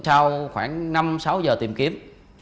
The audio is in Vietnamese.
sau khoảng năm sáu ngày đối tượng đã được tìm kiếm